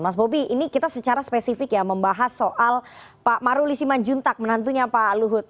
mas bobi ini kita secara spesifik ya membahas soal pak maruli siman juntak menantunya pak luhut